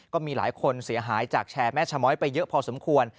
ก็มีหลายคนเสียหายจากแชร์แม่ชะม้อยไปเยอะพอสมควร